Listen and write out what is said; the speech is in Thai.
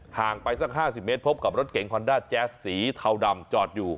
ห่างไปสัก๕๐เมตรพบกับรถเก๋งฮอนด้าแจ๊สสีเทาดำจอดอยู่